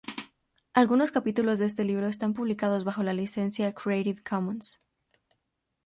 Algunos capítulos de este libro están publicados bajo la licencia Creative Commons.